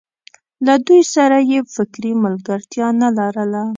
له دوی سره یې فکري ملګرتیا نه لرله.